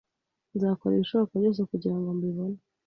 Nzakora ibishoboka byose kugirango mbibone.